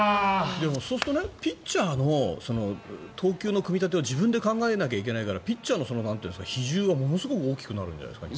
そうするとピッチャーは投球の組み立てを自分で考えないといけないからピッチャーの比重はものすごい大きくなるんじゃないですか。